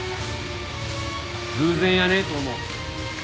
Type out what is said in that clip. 偶然やねえと思う。